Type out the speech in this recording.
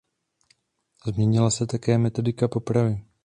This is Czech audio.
Změnila se také metodika popravy.